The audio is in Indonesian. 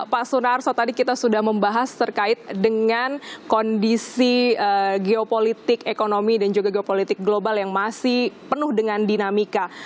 pak sunarso tadi kita sudah membahas terkait dengan kondisi geopolitik ekonomi dan juga geopolitik global yang masih penuh dengan dinamika